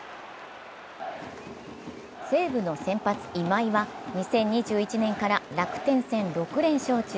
西武の先発・今井は２０２１年から楽天戦６連勝中。